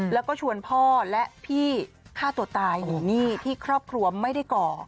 แล้วก็ชวนพ่อและพี่ฆ่าตัวตายหนีหนี้ที่ครอบครัวไม่ได้ก่อ